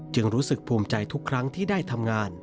รู้สึกภูมิใจทุกครั้งที่ได้ทำงาน